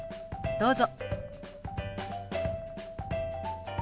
どうぞ。